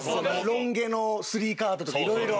「ロン毛の３カード」とかいろいろ。